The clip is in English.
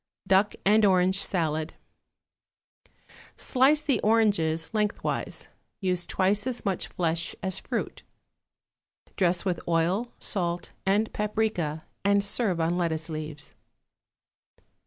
=Duck and Orange Salad.= Slice the oranges lengthwise; use twice as much flesh as fruit. Dress with oil, salt and paprica, and serve on lettuce leaves.